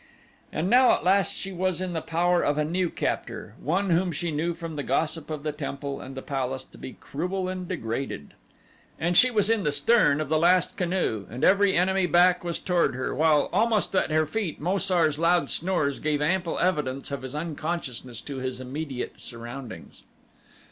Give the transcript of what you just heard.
And now at last she was in the power of a new captor, one whom she knew from the gossip of the temple and the palace to be cruel and degraded. And she was in the stern of the last canoe, and every enemy back was toward her, while almost at her feet Mo sar's loud snores gave ample evidence of his unconsciousness to his immediate surroundings.